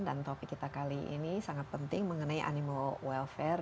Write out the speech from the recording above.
dan topik kita kali ini sangat penting mengenai animal welfare